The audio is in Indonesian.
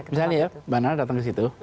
misalnya ya bapak nara datang ke situ